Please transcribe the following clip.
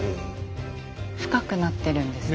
深くなってるんですね。